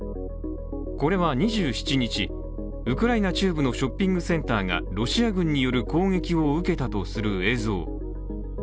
これは２７日、ウクライナ中部のショッピングセンターがロシア軍による攻撃を受けたとする映像。